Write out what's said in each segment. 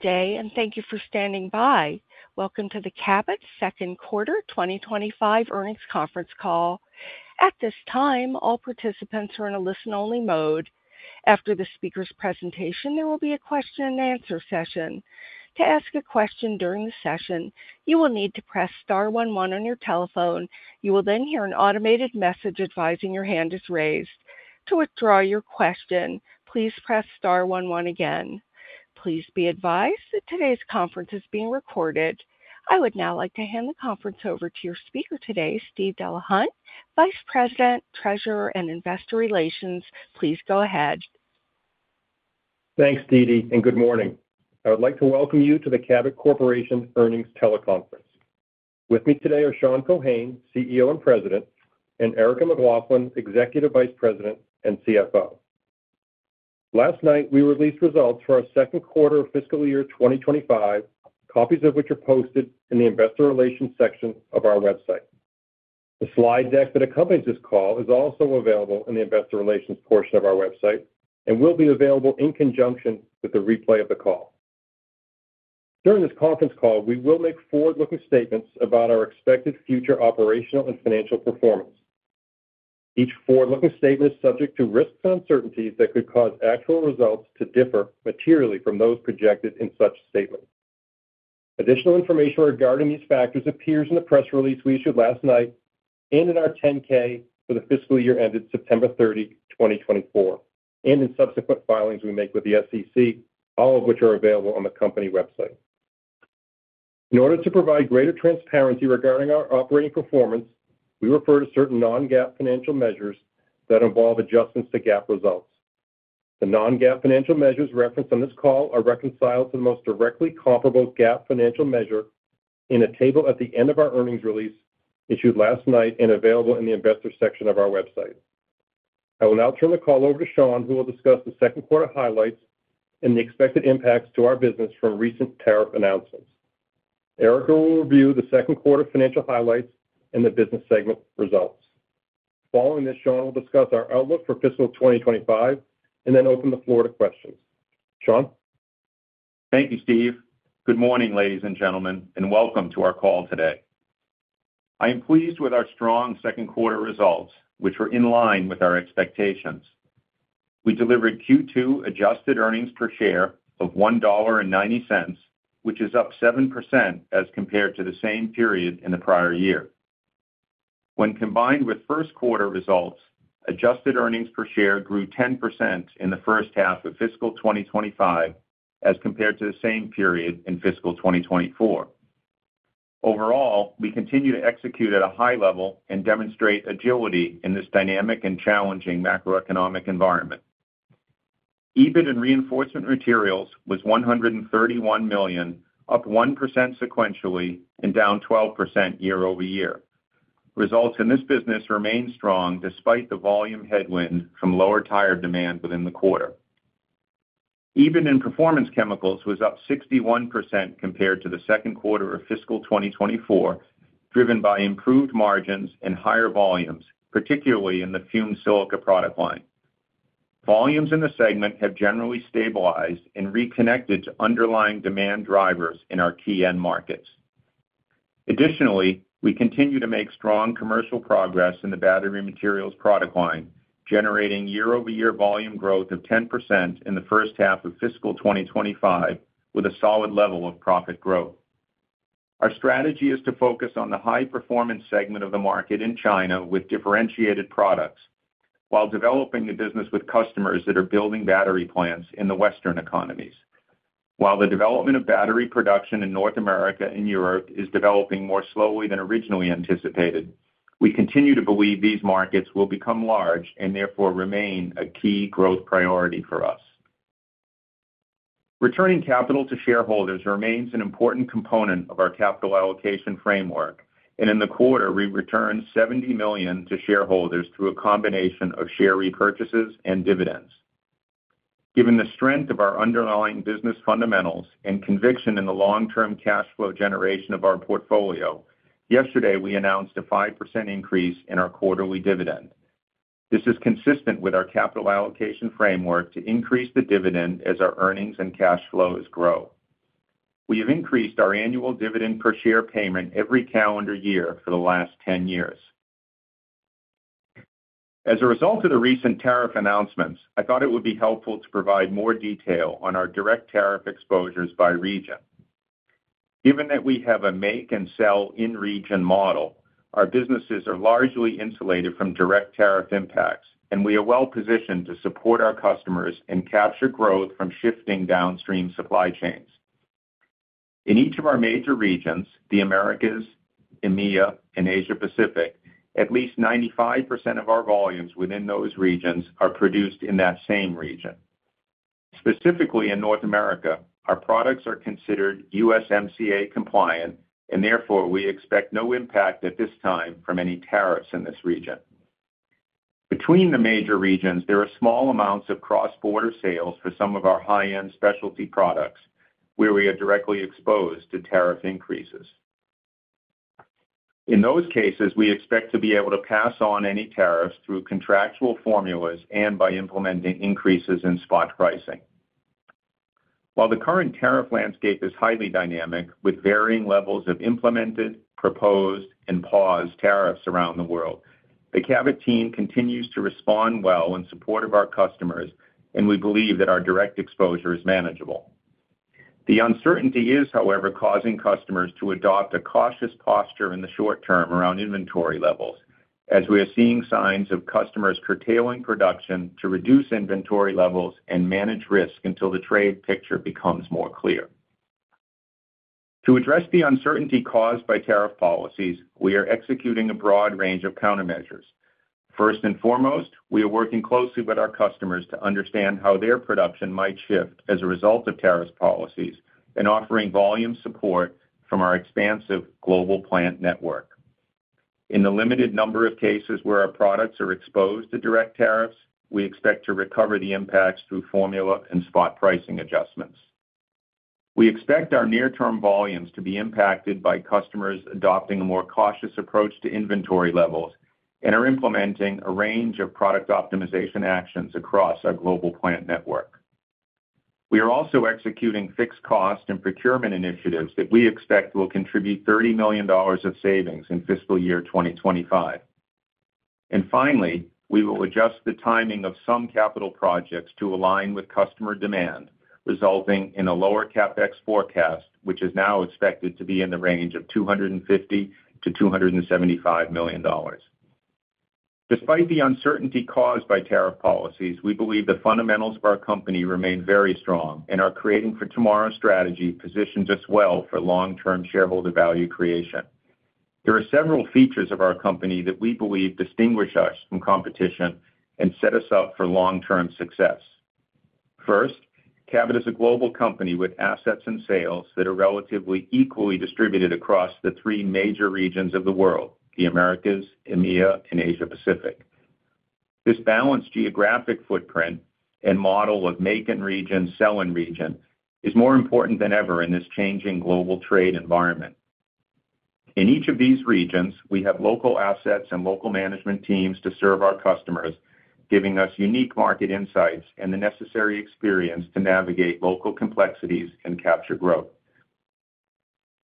Good day, and thank you for standing by. Welcome to the Cabot Second Quarter 2025 Earnings Conference Call. At this time, all participants are in a listen-only mode. After the speaker's presentation, there will be a question-and-answer session. To ask a question during the session, you will need to press star one one on your telephone. You will then hear an automated message advising your hand is raised. To withdraw your question, please press star one one again. Please be advised that today's conference is being recorded. I would now like to hand the conference over to your speaker today, Steve Delahunt, Vice President, Treasurer and Investor Relations. Please go ahead. Thanks, DeeDee, and good morning. I would like to welcome you to the Cabot Corporation Earnings Teleconference. With me today are Sean Keohane, CEO and President, and Erica McLaughlin, Executive Vice President and CFO. Last night, we released results for our second quarter of Fiscal Year 2025, copies of which are posted in the Investor Relations section of our website. The slide deck that accompanies this call is also available in the Investor Relations portion of our website and will be available in conjunction with the replay of the call. During this conference call, we will make forward-looking statements about our expected future operational and financial performance. Each forward-looking statement is subject to risks and uncertainties that could cause actual results to differ materially from those projected in such statements. Additional information regarding these factors appears in the press release we issued last night and in our 10-K for the fiscal year ended September 30, 2024, and in subsequent filings we make with the SEC, all of which are available on the company website. In order to provide greater transparency regarding our operating performance, we refer to certain non-GAAP financial measures that involve adjustments to GAAP results. The non-GAAP financial measures referenced on this call are reconciled to the most directly comparable GAAP financial measure in a table at the end of our earnings release issued last night and available in the investor section of our website. I will now turn the call over to Sean, who will discuss the second quarter highlights and the expected impacts to our business from recent tariff announcements. Erica will review the second quarter financial highlights and the business segment results. Following this, Sean will discuss our outlook for Fiscal 2025 and then open the floor to questions. Sean? Thank you, Steve. Good morning, ladies and gentlemen, and welcome to our call today. I am pleased with our strong second quarter results, which are in line with our expectations. We delivered Q2 adjusted earnings per share of $1.90, which is up 7% as compared to the same period in the prior year. When combined with first quarter results, adjusted earnings per share grew 10% in the first half of Fiscal 2025 as compared to the same period in Fiscal 2024. Overall, we continue to execute at a high level and demonstrate agility in this dynamic and challenging macroeconomic environment. EBIT in reinforcement materials was $131 million, up 1% sequentially and down 12% year over year. Results in this business remain strong despite the volume headwind from lower tire demand within the quarter. EBIT in performance chemicals was up 61% compared to the second quarter of Fiscal 2024, driven by improved margins and higher volumes, particularly in the fume silica product line. Volumes in the segment have generally stabilized and reconnected to underlying demand drivers in our key end markets. Additionally, we continue to make strong commercial progress in the Battery Materials product line, generating year-over-year volume growth of 10% in the first half of Fiscal 2025, with a solid level of profit growth. Our strategy is to focus on the high-performance segment of the market in China with differentiated products while developing the business with customers that are building battery plants in the Western economies. While the development of battery production in North America and Europe is developing more slowly than originally anticipated, we continue to believe these markets will become large and therefore remain a key growth priority for us. Returning capital to shareholders remains an important component of our capital allocation framework, and in the quarter, we returned $70 million to shareholders through a combination of share repurchases and dividends. Given the strength of our underlying business fundamentals and conviction in the long-term cash flow generation of our portfolio, yesterday we announced a 5% increase in our quarterly dividend. This is consistent with our capital allocation framework to increase the dividend as our earnings and cash flows grow. We have increased our annual dividend per share payment every calendar year for the last 10 years. As a result of the recent tariff announcements, I thought it would be helpful to provide more detail on our direct tariff exposures by region. Given that we have a make-and-sell-in-region model, our businesses are largely insulated from direct tariff impacts, and we are well-positioned to support our customers and capture growth from shifting downstream supply chains. In each of our major regions, the Americas, EMEA, and Asia-Pacific, at least 95% of our volumes within those regions are produced in that same region. Specifically in North America, our products are considered USMCA compliant, and therefore we expect no impact at this time from any tariffs in this region. Between the major regions, there are small amounts of cross-border sales for some of our high-end specialty products where we are directly exposed to tariff increases. In those cases, we expect to be able to pass on any tariffs through contractual formulas and by implementing increases in spot pricing. While the current tariff landscape is highly dynamic, with varying levels of implemented, proposed, and paused tariffs around the world, the Cabot team continues to respond well in support of our customers, and we believe that our direct exposure is manageable. The uncertainty is, however, causing customers to adopt a cautious posture in the short term around inventory levels, as we are seeing signs of customers curtailing production to reduce inventory levels and manage risk until the trade picture becomes more clear. To address the uncertainty caused by tariff policies, we are executing a broad range of countermeasures. First and foremost, we are working closely with our customers to understand how their production might shift as a result of tariff policies and offering volume support from our expansive global plant network. In the limited number of cases where our products are exposed to direct tariffs, we expect to recover the impacts through formula and spot pricing adjustments. We expect our near-term volumes to be impacted by customers adopting a more cautious approach to inventory levels and are implementing a range of product optimization actions across our global plant network. We are also executing fixed cost and procurement initiatives that we expect will contribute $30 million of savings in Fiscal Year 2025. Finally, we will adjust the timing of some capital projects to align with customer demand, resulting in a lower CapEx forecast, which is now expected to be in the range of $250-$275 million. Despite the uncertainty caused by tariff policies, we believe the fundamentals of our company remain very strong and our creating for tomorrow strategy positions us well for long-term shareholder value creation. There are several features of our company that we believe distinguish us from competition and set us up for long-term success. First, Cabot is a global company with assets and sales that are relatively equally distributed across the three major regions of the world, the Americas, EMEA, and Asia-Pacific. This balanced geographic footprint and model of make-in-region, sell-in-region is more important than ever in this changing global trade environment. In each of these regions, we have local assets and local management teams to serve our customers, giving us unique market insights and the necessary experience to navigate local complexities and capture growth.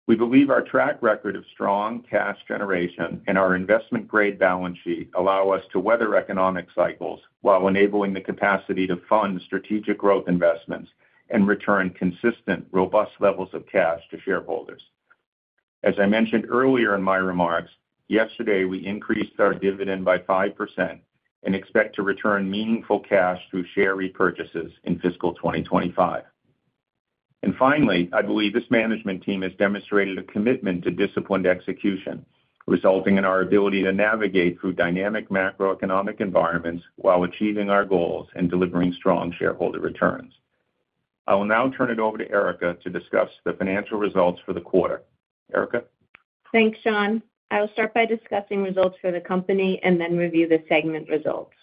We believe our track record of strong cash generation and our investment-grade balance sheet allow us to weather economic cycles while enabling the capacity to fund strategic growth investments and return consistent, robust levels of cash to shareholders. As I mentioned earlier in my remarks, yesterday we increased our dividend by 5% and expect to return meaningful cash through share repurchases in Fiscal 2025. Finally, I believe this management team has demonstrated a commitment to disciplined execution, resulting in our ability to navigate through dynamic macroeconomic environments while achieving our goals and delivering strong shareholder returns. I will now turn it over to Erica to discuss the financial results for the quarter. Erica? Thanks, Sean. I will start by discussing results for the company and then review the segment results.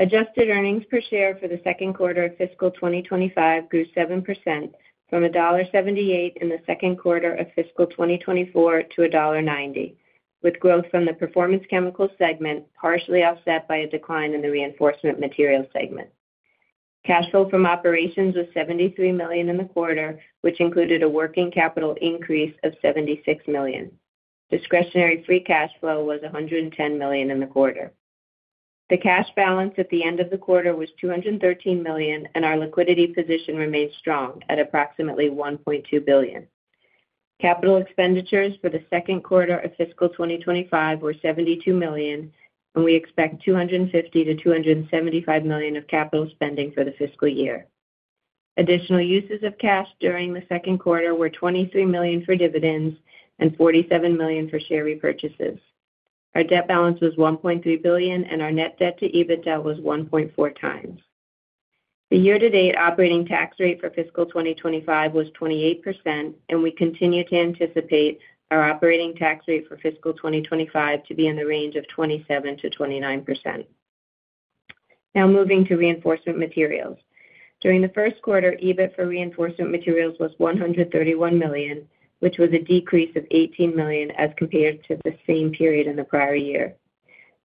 Adjusted earnings per share for the second quarter of Fiscal 2025 grew 7% from $1.78 in the second quarter of Fiscal 2024 to $1.90, with growth from the performance chemicals segment partially offset by a decline in the reinforcement materials segment. Cash flow from operations was $73 million in the quarter, which included a working capital increase of $76 million. Discretionary free cash flow was $110 million in the quarter. The cash balance at the end of the quarter was $213 million, and our liquidity position remained strong at approximately $1.2 billion. Capital expenditures for the second quarter of Fiscal 2025 were $72 million, and we expect $250-$275 million of capital spending for the fiscal year. Additional uses of cash during the second quarter were $23 million for dividends and $47 million for share repurchases. Our debt balance was $1.3 billion, and our net debt to EBITDA was 1.4 times. The year-to-date operating tax rate for Fiscal 2025 was 28%, and we continue to anticipate our operating tax rate for Fiscal 2025 to be in the range of 27% to 29%. Now moving to reinforcement materials. During the first quarter, EBIT for reinforcement materials was $131 million, which was a decrease of $18 million as compared to the same period in the prior year.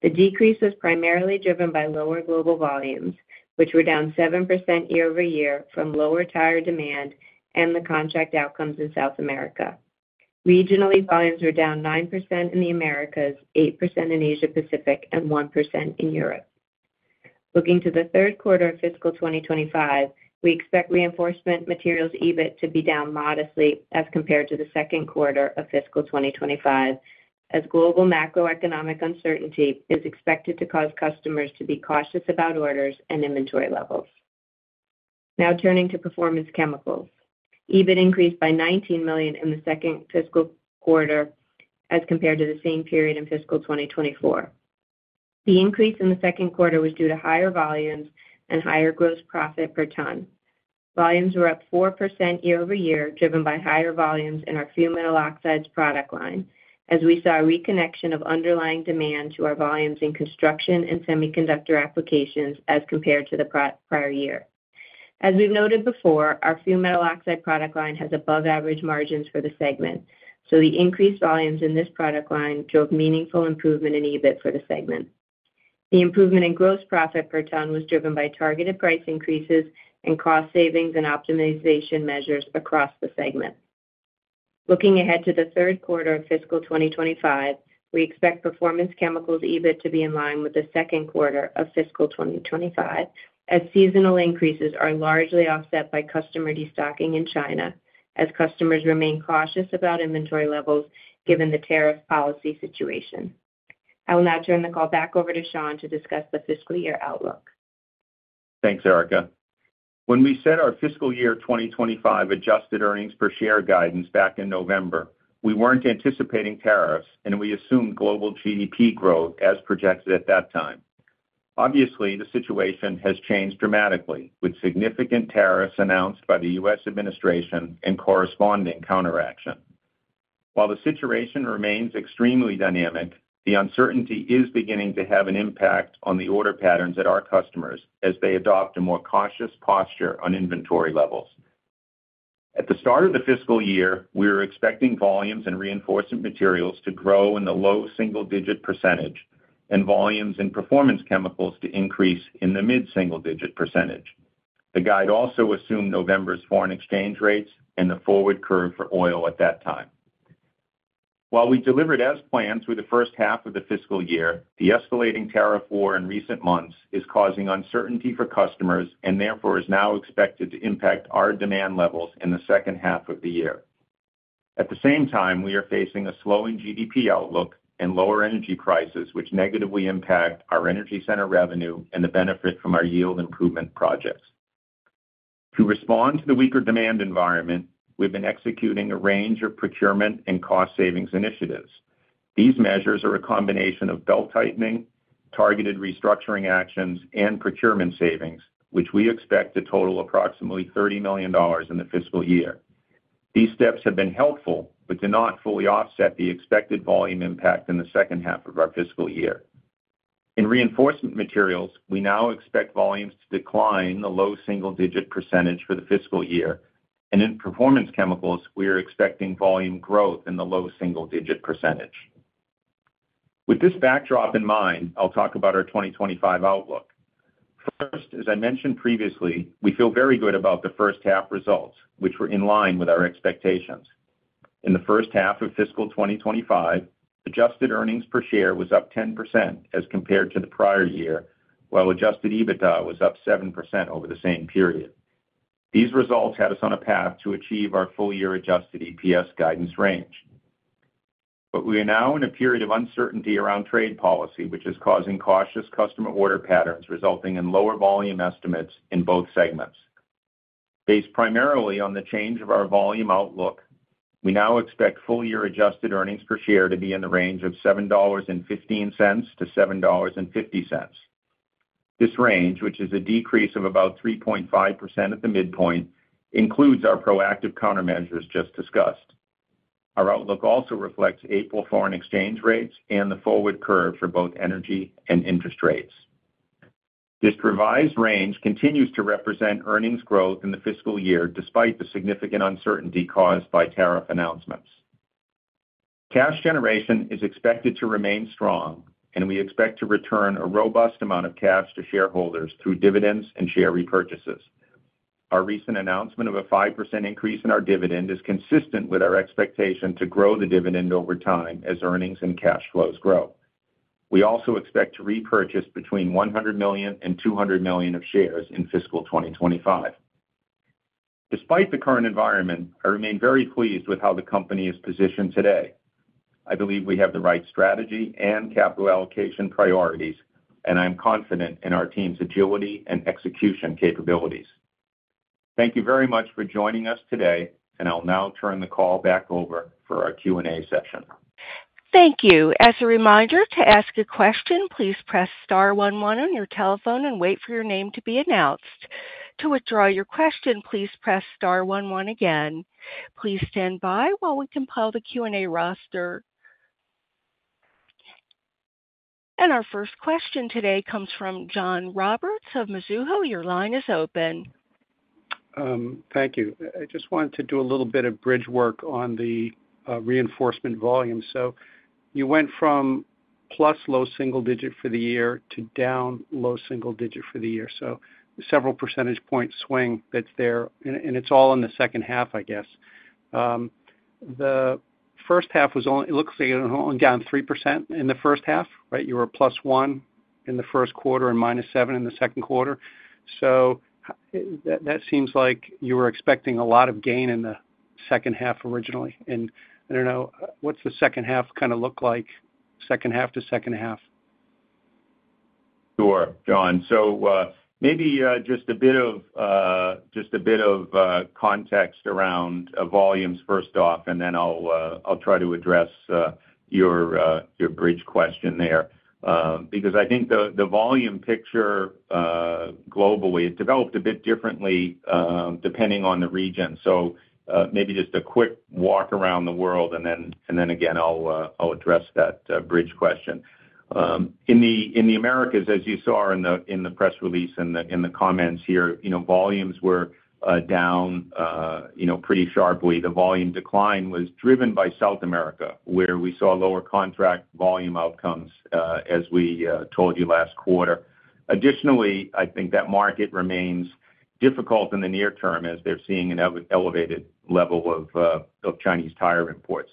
The decrease was primarily driven by lower global volumes, which were down 7% year-over-year from lower tire demand and the contract outcomes in South America. Regionally, volumes were down 9% in the Americas, 8% in Asia-Pacific, and 1% in Europe. Looking to the third quarter of fiscal 2025, we expect reinforcement materials EBIT to be down modestly as compared to the second quarter of Fiscal 2025, as global macroeconomic uncertainty is expected to cause customers to be cautious about orders and inventory levels. Now turning to performance chemicals. EBIT increased by $19 million in the second fiscal quarter as compared to the same period in Fiscal 2024. The increase in the second quarter was due to higher volumes and higher gross profit per ton. Volumes were up 4% year-over-year, driven by higher volumes in our fume metal oxides product line, as we saw a reconnection of underlying demand to our volumes in construction and semiconductor applications as compared to the prior year. As we've noted before, our fume metal oxide product line has above-average margins for the segment, so the increased volumes in this product line drove meaningful improvement in EBIT for the segment. The improvement in gross profit per ton was driven by targeted price increases and cost savings and optimization measures across the segment. Looking ahead to the third quarter of Fiscal 2025, we expect performance chemicals EBIT to be in line with the second quarter of Fiscal 2025, as seasonal increases are largely offset by customer destocking in China, as customers remain cautious about inventory levels given the tariff policy situation. I will now turn the call back over to Sean to discuss the fiscal year outlook. Thanks, Erica. When we set our Fiscal Year 2025 adjusted earnings per share guidance back in November, we were not anticipating tariffs, and we assumed global GDP growth as projected at that time. Obviously, the situation has changed dramatically, with significant tariffs announced by the U.S. administration and corresponding counteraction. While the situation remains extremely dynamic, the uncertainty is beginning to have an impact on the order patterns at our customers as they adopt a more cautious posture on inventory levels. At the start of the fiscal year, we were expecting volumes in reinforcement materials to grow in the low single-digit percentage and volumes in performance chemicals to increase in the mid-single-digit percentage. The guide also assumed November's foreign exchange rates and the forward curve for oil at that time. While we delivered as planned through the first half of the fiscal year, the escalating tariff war in recent months is causing uncertainty for customers and therefore is now expected to impact our demand levels in the second half of the year. At the same time, we are facing a slowing GDP outlook and lower energy prices, which negatively impact our energy center revenue and the benefit from our yield improvement projects. To respond to the weaker demand environment, we've been executing a range of procurement and cost savings initiatives. These measures are a combination of belt tightening, targeted restructuring actions, and procurement savings, which we expect to total approximately $30 million in the fiscal year. These steps have been helpful, but do not fully offset the expected volume impact in the second half of our fiscal year. In reinforcement materials, we now expect volumes to decline in the low single-digit percentage for the fiscal year, and in performance chemicals, we are expecting volume growth in the low single-digit percentage. With this backdrop in mind, I'll talk about our 2025 outlook. First, as I mentioned previously, we feel very good about the first half results, which were in line with our expectations. In the first half of Fiscal 2025, adjusted earnings per share was up 10% as compared to the prior year, while adjusted EBITDA was up 7% over the same period. These results had us on a path to achieve our full-year adjusted EPS guidance range. We are now in a period of uncertainty around trade policy, which is causing cautious customer order patterns resulting in lower volume estimates in both segments. Based primarily on the change of our volume outlook, we now expect full-year adjusted earnings per share to be in the range of $7.15 to $7.50. This range, which is a decrease of about 3.5% at the midpoint, includes our proactive countermeasures just discussed. Our outlook also reflects April foreign exchange rates and the forward curve for both energy and interest rates. This revised range continues to represent earnings growth in the fiscal year despite the significant uncertainty caused by tariff announcements. Cash generation is expected to remain strong, and we expect to return a robust amount of cash to shareholders through dividends and share repurchases. Our recent announcement of a 5% increase in our dividend is consistent with our expectation to grow the dividend over time as earnings and cash flows grow. We also expect to repurchase between $100 million and $200 million of shares in Fiscal 2025. Despite the current environment, I remain very pleased with how the company is positioned today. I believe we have the right strategy and capital allocation priorities, and I'm confident in our team's agility and execution capabilities. Thank you very much for joining us today, and I'll now turn the call back over for our Q&A session. Thank you. As a reminder, to ask a question, please press star one one on your telephone and wait for your name to be announced. To withdraw your question, please press star one one again. Please stand by while we compile the Q&A roster. Our first question today comes from John Roberts of Mizuho. Your line is open. Thank you. I just wanted to do a little bit of bridge work on the reinforcement volume. You went from plus low single digit for the year to down low single digit for the year. Several percentage point swing that's there, and it's all in the second half, I guess. The first half was only, it looks like it went only down 3% in the first half, right? You were plus one in the first quarter and minus seven in the second quarter. That seems like you were expecting a lot of gain in the second half originally. I don't know, what's the second half kind of look like, second half to second half? Sure, John. Maybe just a bit of context around volumes first off, and then I'll try to address your bridge question there. I think the volume picture globally developed a bit differently depending on the region. Maybe just a quick walk around the world, and then again, I'll address that bridge question. In the Americas, as you saw in the press release and the comments here, volumes were down pretty sharply. The volume decline was driven by South America, where we saw lower contract volume outcomes, as we told you last quarter. Additionally, I think that market remains difficult in the near term as they're seeing an elevated level of Chinese tire imports.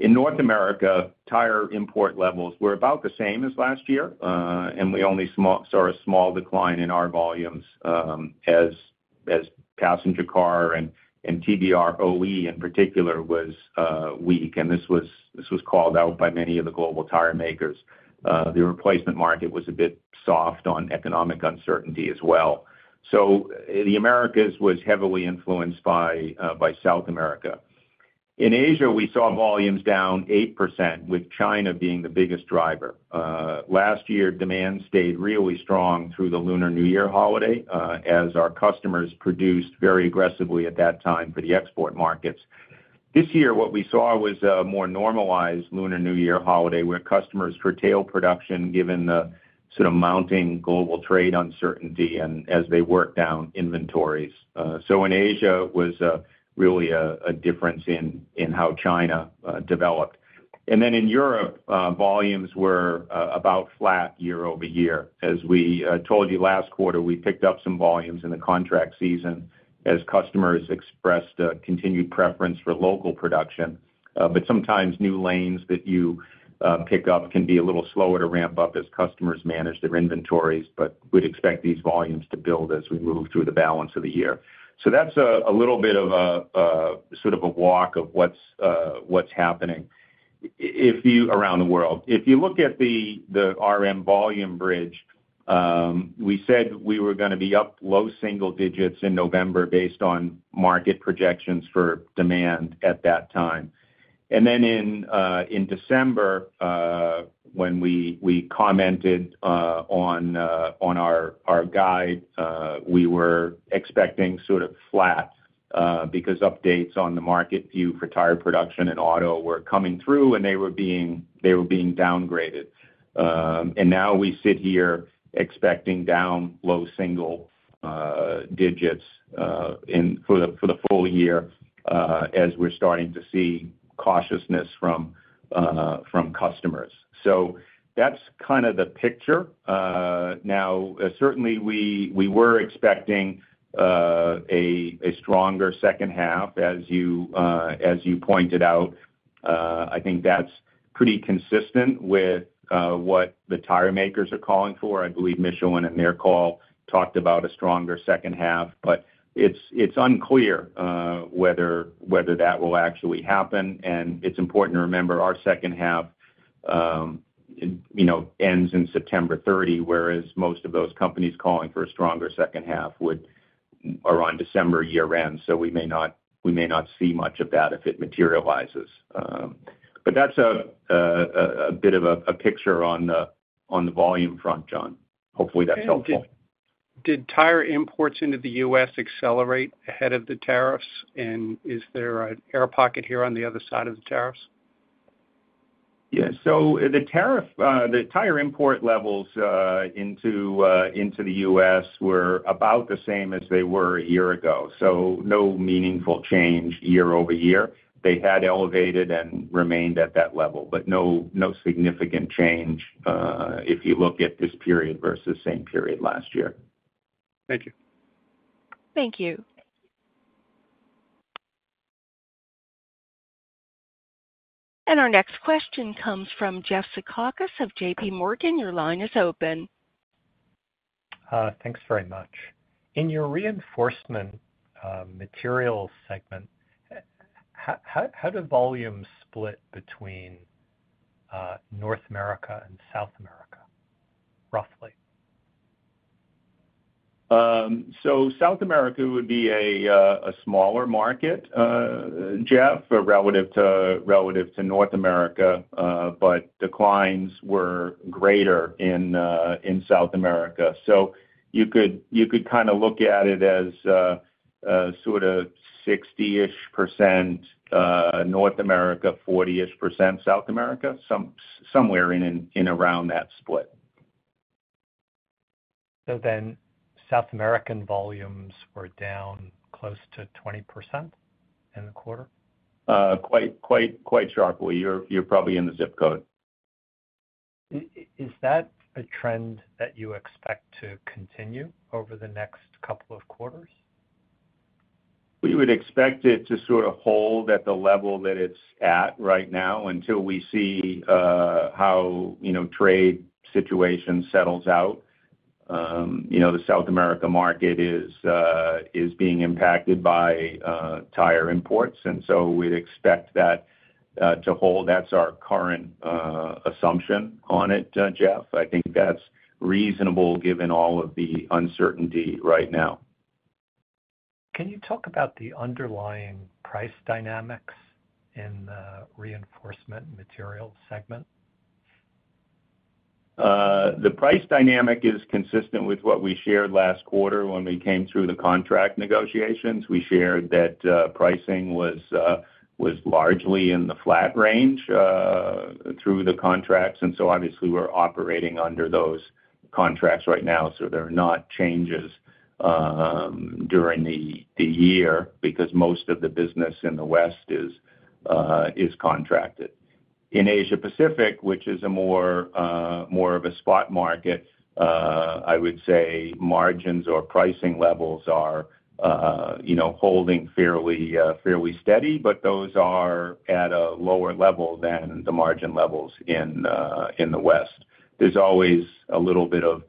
In North America, tire import levels were about the same as last year, and we only saw a small decline in our volumes as passenger car and TBR OE in particular was weak. This was called out by many of the global tire makers. The replacement market was a bit soft on economic uncertainty as well. The Americas was heavily influenced by South America. In Asia, we saw volumes down 8%, with China being the biggest driver. Last year, demand stayed really strong through the Lunar New Year holiday, as our customers produced very aggressively at that time for the export markets. This year, what we saw was a more normalized Lunar New Year holiday, where customers curtailed production given the sort of mounting global trade uncertainty and as they worked down inventories. In Asia, it was really a difference in how China developed. In Europe, volumes were about flat year over year. As we told you last quarter, we picked up some volumes in the contract season as customers expressed continued preference for local production. Sometimes new lanes that you pick up can be a little slower to ramp up as customers manage their inventories, but we'd expect these volumes to build as we move through the balance of the year. That is a little bit of a sort of a walk of what's happening around the world. If you look at the RM volume bridge, we said we were going to be up low single digits in November based on market projections for demand at that time. In December, when we commented on our guide, we were expecting sort of flat because updates on the market view for tire production and auto were coming through, and they were being downgraded. Now we sit here expecting down low single digits for the full year as we're starting to see cautiousness from customers. That is kind of the picture. Certainly, we were expecting a stronger second half, as you pointed out. I think that is pretty consistent with what the tire makers are calling for. I believe Mizuho and Amercal talked about a stronger second half, but it is unclear whether that will actually happen. It is important to remember our second half ends on September 30, whereas most of those companies calling for a stronger second half are on December year-end, so we may not see much of that if it materializes. That's a bit of a picture on the volume front, John. Hopefully, that's helpful. Did tire imports into the U.S. accelerate ahead of the tariffs? Is there an air pocket here on the other side of the tariffs? Yeah. In the tariff, the tire import levels into the U.S. were about the same as they were a year ago, so no meaningful change year over year. They had elevated and remained at that level, but no significant change if you look at this period versus the same period last year. Thank you. Thank you. Our next question comes from Jeff Zekauskas of JPMorgan. Your line is open. Thanks very much. In your reinforcement materials segment, how do volumes split between North America and South America, roughly? South America would be a smaller market, Jeff, relative to North America, but declines were greater in South America. You could kind of look at it as sort of 60-ish% North America, 40-ish % South America, somewhere in around that split. South American volumes were down close to 20% in the quarter? Quite sharply. You're probably in the zip code. Is that a trend that you expect to continue over the next couple of quarters? We would expect it to sort of hold at the level that it's at right now until we see how the trade situation settles out. The South America market is being impacted by tire imports, and so we'd expect that to hold. That's our current assumption on it, Jeff. I think that's reasonable given all of the uncertainty right now. Can you talk about the underlying price dynamics in the reinforcement materials segment? The price dynamic is consistent with what we shared last quarter when we came through the contract negotiations. We shared that pricing was largely in the flat range through the contracts. Obviously, we're operating under those contracts right now. There are not changes during the year because most of the business in the West is contracted. In Asia-Pacific, which is more of a spot market, I would say margins or pricing levels are holding fairly steady, but those are at a lower level than the margin levels in the West. There is always a little bit of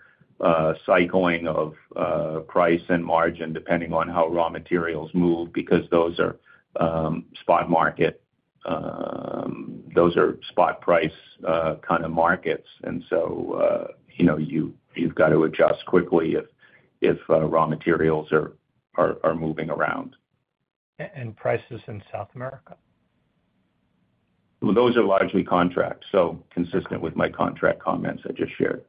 cycling of price and margin depending on how raw materials move because those are spot market. Those are spot price kind of markets. You have to adjust quickly if raw materials are moving around. Prices in South America? Those are largely contract. So consistent with my contract comments I just shared.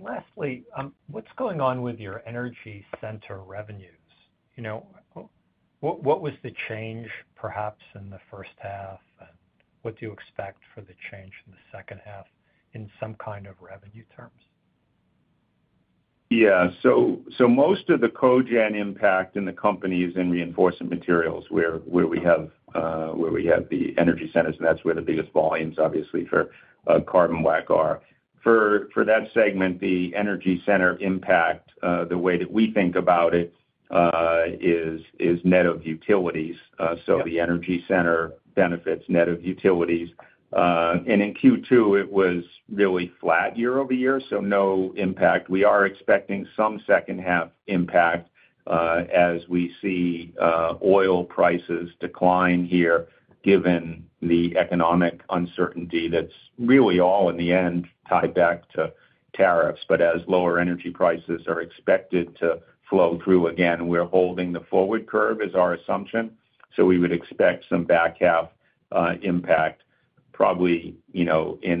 Lastly, what's going on with your energy center revenues? What was the change perhaps in the first half? What do you expect for the change in the second half in some kind of revenue terms? Yeah. Most of the Cogen impact in the company is in reinforcement materials where we have the energy centers, and that's where the biggest volumes obviously for carbon black are. For that segment, the energy center impact, the way that we think about it is net of utilities. The energy center benefits net of utilities. In Q2, it was really flat year over year, so no impact. We are expecting some second-half impact as we see oil prices decline here given the economic uncertainty that's really all in the end tied back to tariffs. As lower energy prices are expected to flow through again, we're holding the forward curve as our assumption. We would expect some back half impact, probably in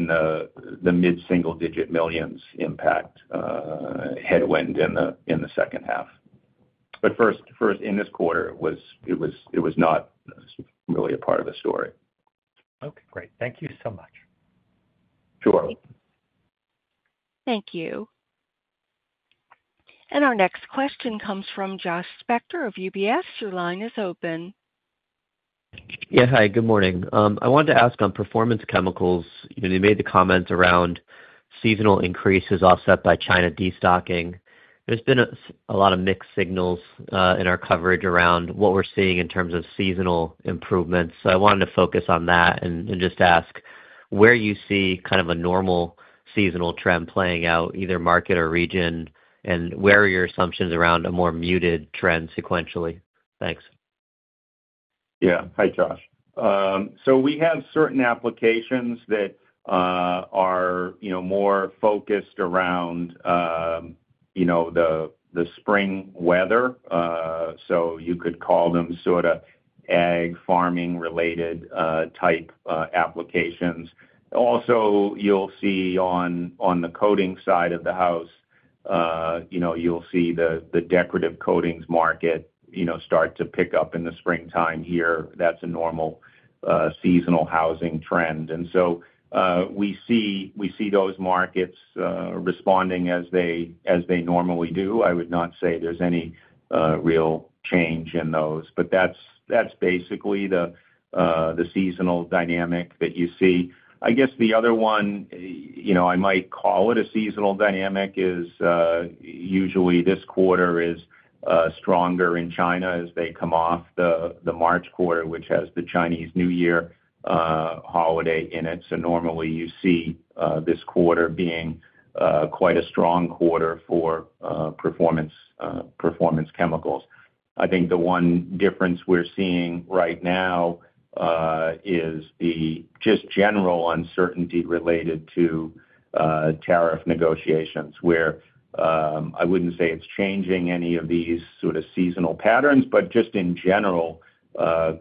the mid-single digit millions impact headwind in the second half. In this quarter, it was not really a part of the story. Okay. Great. Thank you so much. Sure. Thank you. Our next question comes from Josh Spector of UBS. Your line is open. Yeah. Hi. Good morning. I wanted to ask on performance chemicals. You made the comments around seasonal increases offset by China destocking. There's been a lot of mixed signals in our coverage around what we're seeing in terms of seasonal improvements. I wanted to focus on that and just ask where you see kind of a normal seasonal trend playing out, either market or region, and where are your assumptions around a more muted trend sequentially? Thanks. Yeah. Hi, Josh. We have certain applications that are more focused around the spring weather. You could call them sort of ag farming-related type applications. Also, you'll see on the coating side of the house, you'll see the decorative coatings market start to pick up in the springtime here. That is a normal seasonal housing trend. We see those markets responding as they normally do. I would not say there is any real change in those, but that is basically the seasonal dynamic that you see. I guess the other one, I might call a seasonal dynamic is usually this quarter is stronger in China as they come off the March quarter, which has the Chinese New Year holiday in it. Normally, you see this quarter being quite a strong quarter for performance chemicals. I think the one difference we're seeing right now is the just general uncertainty related to tariff negotiations, where I wouldn't say it's changing any of these sort of seasonal patterns, but just in general,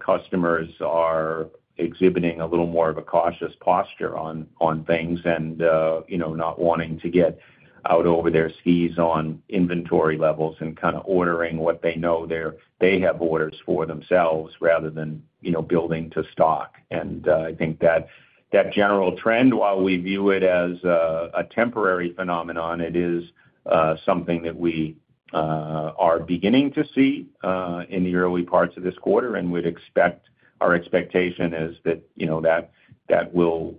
customers are exhibiting a little more of a cautious posture on things and not wanting to get out over their skis on inventory levels and kind of ordering what they know they have orders for themselves rather than building to stock. I think that general trend, while we view it as a temporary phenomenon, it is something that we are beginning to see in the early parts of this quarter. Our expectation is that that will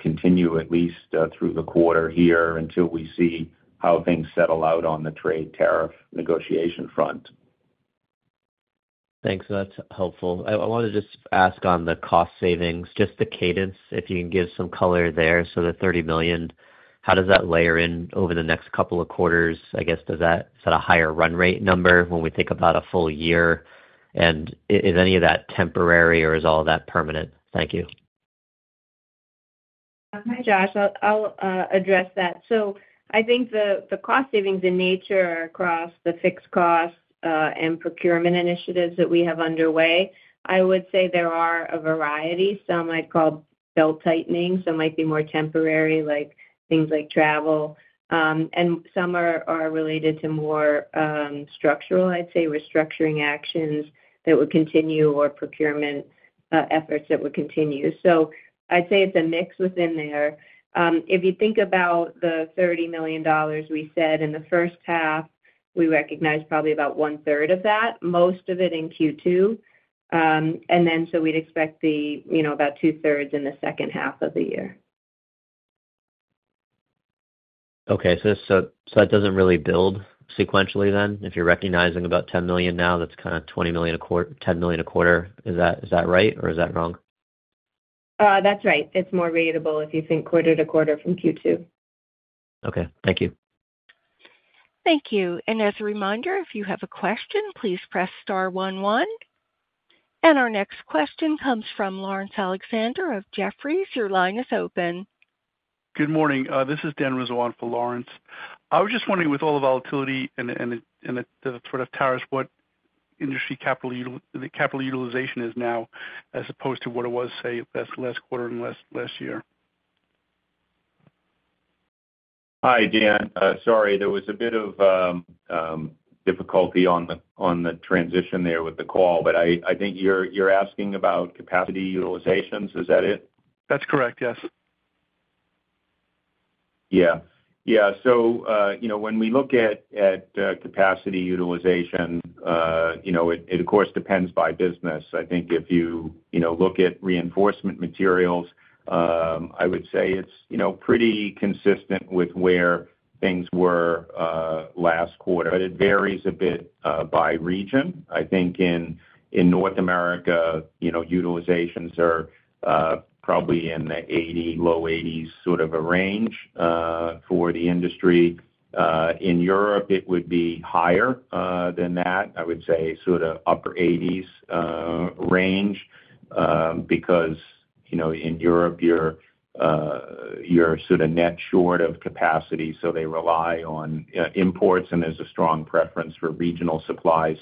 continue at least through the quarter here until we see how things settle out on the trade tariff negotiation front. Thanks. That's helpful. I wanted to just ask on the cost savings, just the cadence, if you can give some color there. So the $30 million, how does that layer in over the next couple of quarters? I guess does that set a higher run rate number when we think about a full year? And is any of that temporary, or is all of that permanent? Thank you. Hi, Josh. I'll address that. I think the cost savings in nature are across the fixed costs and procurement initiatives that we have underway, I would say there are a variety. Some I'd call belt tightening. Some might be more temporary, like things like travel. Some are related to more structural, I'd say, restructuring actions that would continue or procurement efforts that would continue. I'd say it's a mix within there. If you think about the $30 million we said in the first half, we recognize probably about one-third of that, most of it in Q2. We'd expect about two-thirds in the second half of the year. Okay. So that doesn't really build sequentially then? If you're recognizing about $10 million now, that's kind of $10 million a quarter. Is that right, or is that wrong? That's right. It's more readable if you think quarter to quarter from Q2. Okay. Thank you. Thank you. As a reminder, if you have a question, please press star 11. Our next question comes from Lawrence Alexander of Jefferies. Your line is open. Good morning. This is Dan Rizzo on for Lawrence. I was just wondering, with all the volatility and the sort of tariffs, what industry capital utilization is now as opposed to what it was, say, last quarter and last year? Hi, Dan. Sorry. There was a bit of difficulty on the transition there with the call, but I think you're asking about capacity utilizations. Is that it? That's correct. Yes. Yeah. Yeah. So when we look at capacity utilization, it, of course, depends by business. I think if you look at reinforcement materials, I would say it's pretty consistent with where things were last quarter. It varies a bit by region. I think in North America, utilizations are probably in the 80, low 80s sort of a range for the industry. In Europe, it would be higher than that. I would say sort of upper 80s range because in Europe, you're sort of net short of capacity. They rely on imports, and there's a strong preference for regional supplies.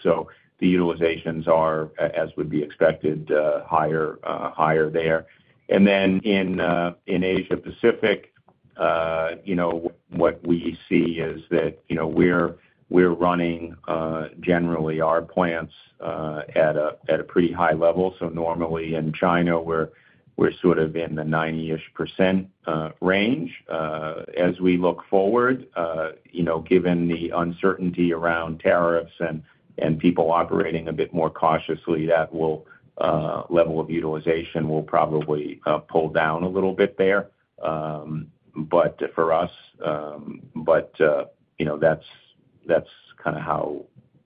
The utilizations are, as would be expected, higher there. In Asia-Pacific, what we see is that we're running generally our plants at a pretty high level. Normally in China, we're sort of in the 90-ish % range. As we look forward, given the uncertainty around tariffs and people operating a bit more cautiously, that level of utilization will probably pull down a little bit there. For us, that's kind of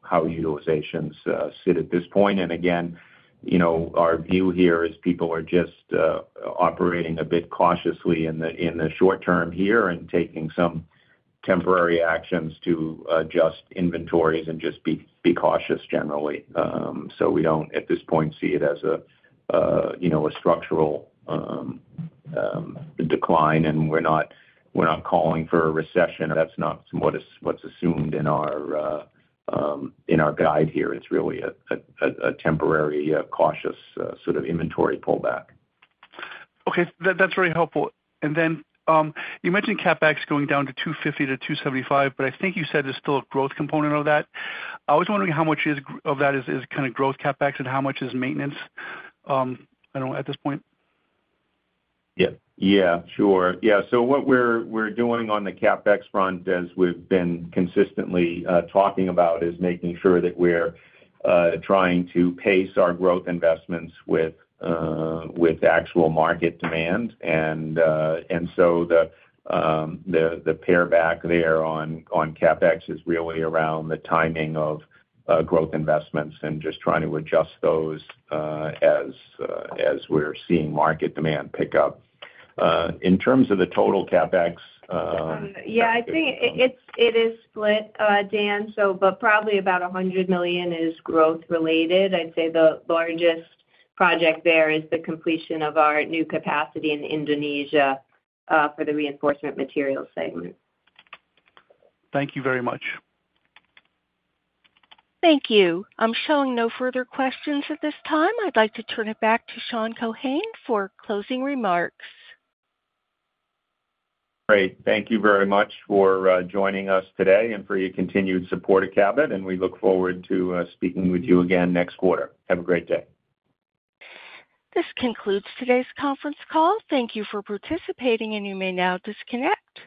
how utilizations sit at this point. Again, our view here is people are just operating a bit cautiously in the short term here and taking some temporary actions to adjust inventories and just be cautious generally. We do not, at this point, see it as a structural decline, and we are not calling for a recession. That is not what is assumed in our guide here. It is really a temporary, cautious sort of inventory pullback. Okay. That's very helpful. You mentioned CapEx going down to $250 million-$275 million, but I think you said there's still a growth component of that. I was wondering how much of that is kind of growth CapEx and how much is maintenance at this point? Yeah. Yeah. Sure. Yeah. What we're doing on the CapEx front, as we've been consistently talking about, is making sure that we're trying to pace our growth investments with actual market demand. The pare back there on CapEx is really around the timing of growth investments and just trying to adjust those as we're seeing market demand pick up. In terms of the total CapEx. Yeah. I think it is split, Dan, but probably about $100 million is growth-related. I'd say the largest project there is the completion of our new capacity in Indonesia for the reinforcement materials segment. Thank you very much. Thank you. I'm showing no further questions at this time. I'd like to turn it back to Sean Keohane for closing remarks. Great. Thank you very much for joining us today and for your continued support of Cabot. We look forward to speaking with you again next quarter. Have a great day. This concludes today's conference call. Thank you for participating, and you may now disconnect.